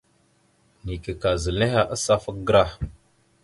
Neke ka zal henne asafa gərah.